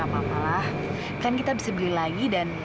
atau dia tuh pak yang bikin